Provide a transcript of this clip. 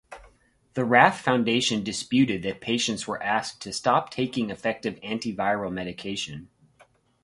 The Rath Foundation disputed that patients were asked to stop taking effective antiviral medication.